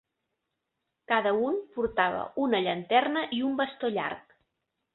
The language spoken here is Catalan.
Cada un portava una llanterna i un bastó llarg.